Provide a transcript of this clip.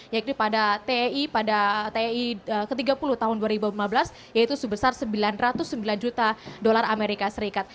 yaitu pada tei pada tei ke tiga puluh tahun dua ribu lima belas yaitu sebesar sembilan ratus sembilan juta dolar amerika serikat